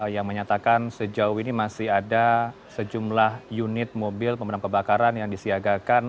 yang menyatakan sejauh ini masih ada sejumlah unit mobil pemadam kebakaran yang disiagakan